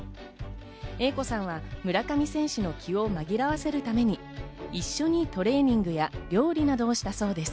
英子さんは村上選手の気を紛らわせるために、一緒にトレーニングや料理などをしたそうです。